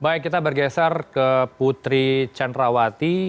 baik kita bergeser ke putri candrawati